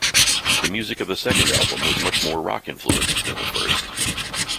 The music of the second album was much more rock-influenced than the first.